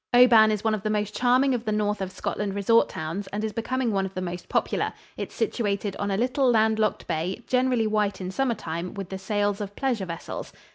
Oban is one of the most charming of the north of Scotland resort towns, and is becoming one of the most popular. It is situated on a little land locked bay, generally white in summer time with the sails of pleasure vessels.